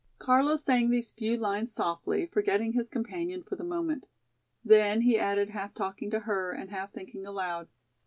Carlo sang these few lines softly, forgetting his companion for the moment. Then he added half talking to her and half thinking aloud.